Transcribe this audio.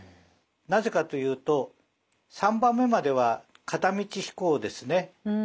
なぜかというと３番目までは片道飛行ですね。